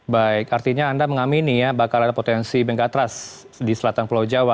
baik artinya anda mengamini ya bakal ada potensi bengkatras di selatan pulau jawa